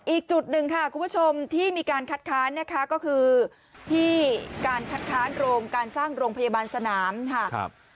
อีกจุดหนึ่งค่ะคุณผู้ชมที่มีการคัดค้านนะคะก็คือที่การคัดค้านโรงการสร้างโรงพยาบาลสนามค่ะ